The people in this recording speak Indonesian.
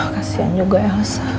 kasian juga elsa